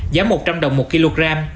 giá một trăm linh đồng một kg